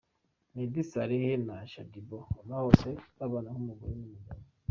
Meddy Saleh na Shaddyboo bahoze babana nk'umugore n'umugabo.